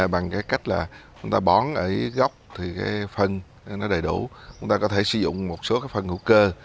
bằng cái cách là chúng ta bón ở gốc thì cái phân nó đầy đủ chúng ta có thể sử dụng một số cái phân hữu cơ